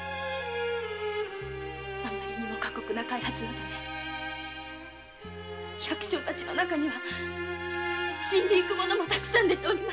あまりにも過酷な開発のため百姓たちの中には死んで行く者もたくさん出ております。